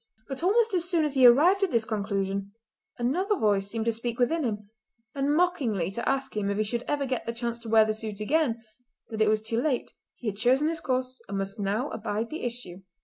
But almost as soon as he arrived at this conclusion another voice seemed to speak within him and mockingly to ask him if he should ever get the chance to wear the suit again—that it was too late—he had chosen his course and must now abide the issue.